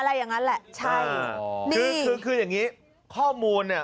อะไรอย่างนั้นแหละใช่คือคืออย่างงี้ข้อมูลเนี่ย